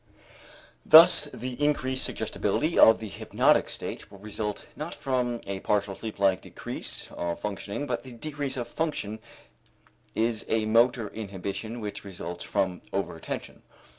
Thus the increased suggestibility of the hypnotic state will result not from a partial sleeplike decrease of functioning but the decrease of function is a motor inhibition which results from over attention.